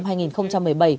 của hội nghị lần thứ hai